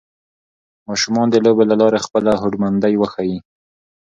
ماشومان د لوبو له لارې خپله هوډمندۍ وښيي